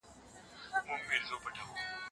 عقل وکاروئ.